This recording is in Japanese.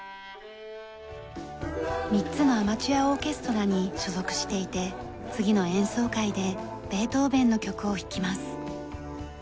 ３つのアマチュアオーケストラに所属していて次の演奏会でベートーベンの曲を弾きます。